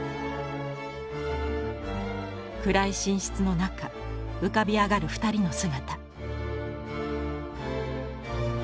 暗い寝室の中浮かび上がる２人の姿。